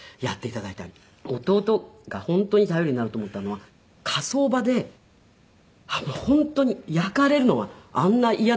弟が本当に頼りになると思ったのは火葬場で本当に焼かれるのがあんな嫌だって。